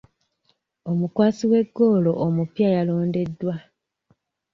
Omukwasi wa ggoolo omupya yalondeddwa.